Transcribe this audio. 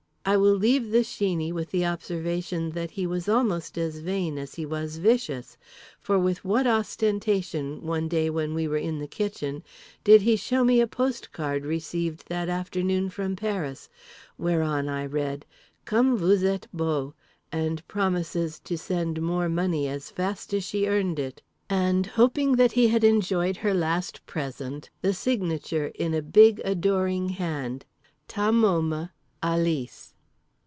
I will leave the Sheeney with the observation that he was almost as vain as he was vicious; for with what ostentation, one day when we were in the kitchen, did he show me a post card received that afternoon from Paris, whereon I read "Comme vous êtes beau" and promises to send more money as fast as she earned it and, hoping that he had enjoyed her last present, the signature (in a big, adoring hand) "_Ta môme. Alice.